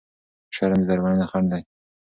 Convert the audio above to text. شرم د درملنې خنډ دی.